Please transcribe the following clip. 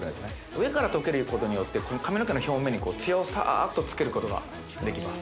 上からとけることによってこの髪の毛の表面にこうツヤをサーッとつけることができます